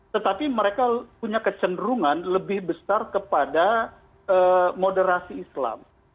tetapi mereka punya kecenderungan lebih besar kepada moderasi islam